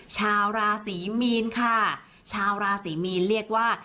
ชาวราศรีมีนค่ะชาวราศีมีนเรียกว่า